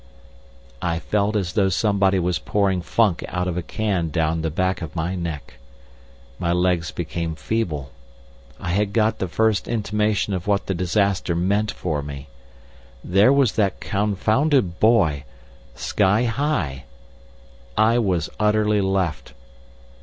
I felt as though somebody was pouring funk out of a can down the back of my neck. My legs became feeble. I had got the first intimation of what the disaster meant for me. There was that confounded boy—sky high! I was utterly left.